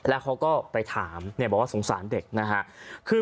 แล้วเขาก็ไปถามบอกว่าสงสารเด็กนะฮะ